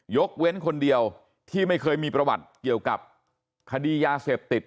ยกเว้นคนเดียวที่ไม่เคยมีประวัติเกี่ยวกับคดียาเสพติด